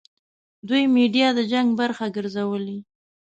دوی میډیا د جنګ برخه ګرځولې.